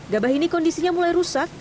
gabah ini kondisinya mulai rusak